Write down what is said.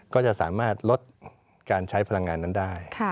ก็จะสามารถลดการใช้พลังงานนั้นได้